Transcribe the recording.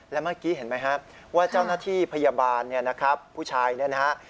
และเมื่อกี้เห็นไหมครับว่าเจ้าหน้าที่พยาบาลผู้ชายนี่นะครับ